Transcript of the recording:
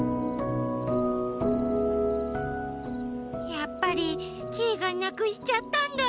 やっぱりキイがなくしちゃったんだ。